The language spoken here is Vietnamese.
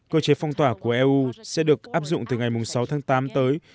cơ chế phong tỏa của eu sẽ được áp dụng từ ngày sáu tháng tám tới